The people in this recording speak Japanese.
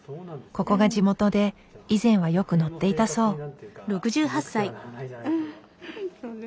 ここが地元で以前はよく乗っていたそう。